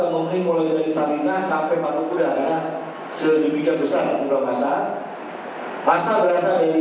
dan mungkin masa itu akan memenuhi kolonialisasi kita sampai patung kuda karena selanjutnya besar